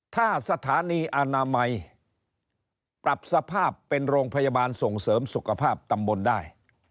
ถ้าสถานีอนามัยปรับสภาพเป็นโรงพยาบาลส่งเสริมสุขภาพตำบลได้